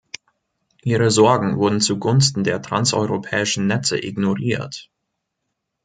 Ihre Sorgen wurden zugunsten der transeuropäischen Netze ignoriert.